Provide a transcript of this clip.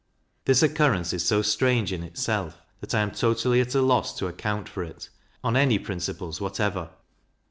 This occurrence is so strange in itself, that I am totally at a loss to account for it, on any principles whatever.